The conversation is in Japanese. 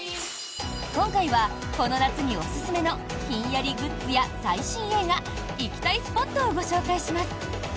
今回は、この夏におすすめのひんやりグッズや最新映画行きたいスポットをご紹介します。